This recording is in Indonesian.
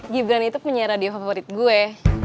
gibran itu penyerah di favorit gue